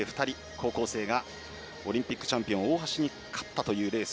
高校生がオリンピックチャンピオン大橋に勝ったというレース。